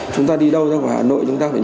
chúng ta đi đâu ra hà nội chúng ta phải nhớ